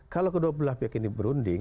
kalau kedua belah pihak ini berunding